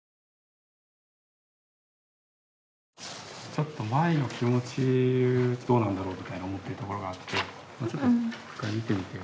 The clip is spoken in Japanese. ちょっとまいの気持ちどうなんだろうみたいに思ってるところがあってちょっと一回見てみて。